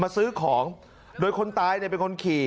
มาซื้อของโดยคนตายเป็นคนขี่